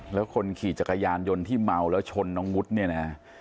แล้วคนขี่จักรยานยนต์ที่เมาแล้วชนน้องวุฒิเนี่ยนะ